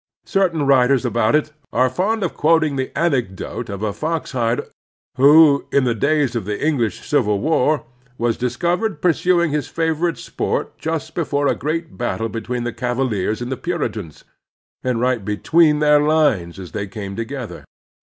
Certain writers about it are fond of quoting the anecdote of a fox htmter who, in the days of the English civil war, was discovered pursuing his favorite sport just before a great battle between the Cava liers and the Puritans, and right between their lines as they came together.